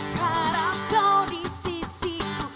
ku harap kau disisiku